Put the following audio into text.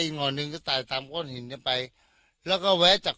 อีกหน่อยหนึ่งก็กลายตามก้นหินเนี้ยไปแล้วก็แวะจาก